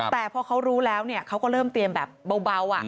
แต่พอเขารู้แล้วเขาก็เริ่มเตรียมแบบเบา